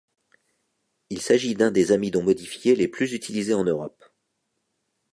Il s'agit d'un des amidons modifiés les plus utilisés en Europe.